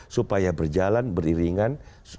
supaya berjalan beriringan